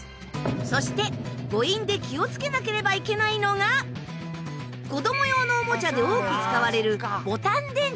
そして誤飲で気を付けなければいけないのが子供用のおもちゃで多く使われる。